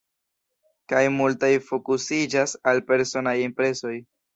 Kaj multaj fokusiĝas al personaj impresoj.